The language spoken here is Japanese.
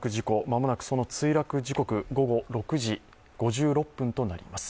間もなくその墜落時刻午後６時５６分となります。